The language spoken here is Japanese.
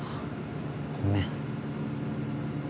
ごめん。